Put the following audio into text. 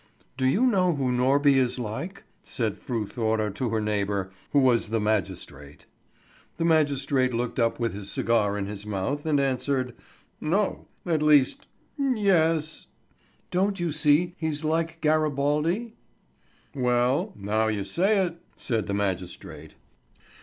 "Do you know who Norby is like?" said Fru Thora to her neighbour, who was the magistrate. The magistrate looked up with his cigar in his mouth, and answered: "No at least, yes " "Don't you see he's like Garibaldi?" "Well, now you say it," said the magistrate.